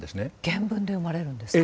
原文で読まれるんですか？